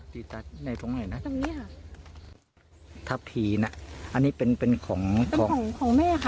ตรงนี้ค่ะทัพพีนะอันนี้เป็นของของแม่ค่ะ